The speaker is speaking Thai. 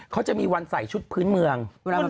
เขาจะมีวันใส่ชุดพื้นเมือง